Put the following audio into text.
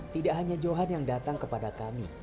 tidak hanya johan yang datang kepada kami